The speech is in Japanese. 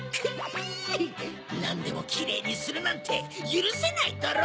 なんでもキレイにするなんてゆるせないドロ！